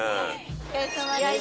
お疲れさまでした。